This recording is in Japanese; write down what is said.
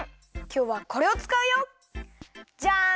きょうはこれをつかうよ。じゃん！